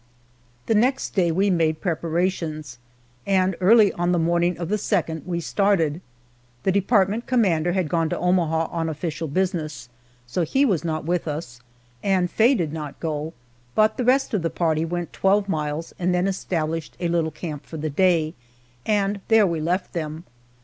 The next day we made preparations, and early on the morning of the second we started. The department commander had gone to Omaha on official business, so he was not with us, and Faye did not go; but the rest of the party went twelve miles and then established a little camp for the day, and there we left them.